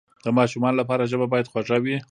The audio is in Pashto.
د ماشومانو لپاره ژبه باید خوږه وي.